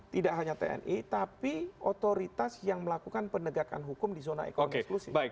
tidak hanya tni tapi otoritas yang melakukan penegakan hukum di zona ekonomi eksklusif